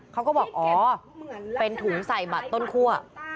เขาก็บอกอ๋อเป็นถุงใส่บัตรต้นคั่ว